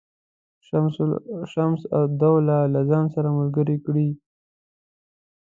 شمس الدوله له ځان سره ملګري کړي.